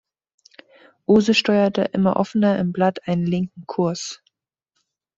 Uhse steuerte immer offener im Blatt einen linken Kurs.